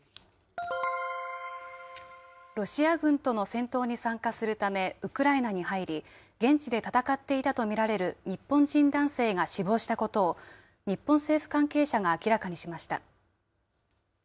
ロシア軍との戦闘に参加するためウクライナに入り、現地で戦っていたと見られる日本人男性が死亡したことを、日本政府関係者が明らかにしました。